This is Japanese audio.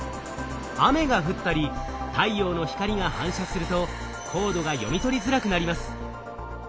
雨が降ったり太陽の光が反射するとコードが読み取りづらくなります。